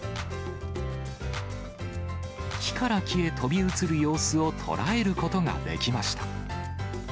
木から木へ飛び移る様子を捉えることができました。